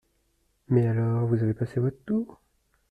Mais alors, vous avez passé votre tour !